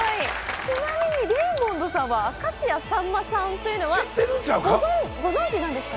ちなみにレイモンドさんは明石家さんまさんというのは、知ってるんちゃうか？